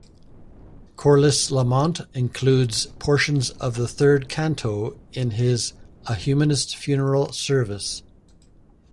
Corliss Lamont includes portions of the third canto in his "A Humanist Funeral Service".